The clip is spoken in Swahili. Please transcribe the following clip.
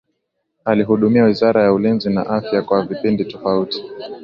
Alihudumia wizara ya ulinzi na afya kwa vipindi tofauti